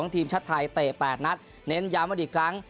ทีมชาติไทยเตะ๘นัดเน้นย้ำกันอีกครั้ง